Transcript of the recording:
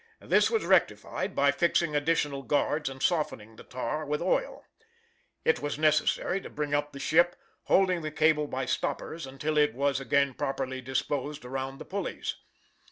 This was rectified by fixing additional guards and softening the tar with oil. It was necessary to bring up the ship, holding the cable by stoppers until it was again properly disposed around the pulleys.